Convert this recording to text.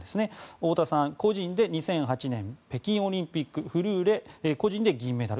太田さんは個人で２００８年北京オリンピックフルーレ個人で銀メダル。